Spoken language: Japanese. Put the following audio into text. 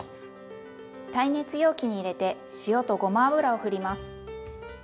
耐熱容器に入れて塩とごま油をふります。